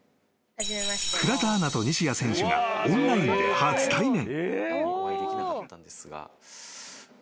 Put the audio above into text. ［倉田アナと西矢選手がオンラインで初対面］